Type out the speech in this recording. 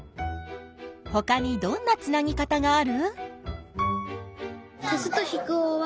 ほかにどんなつなぎ方がある？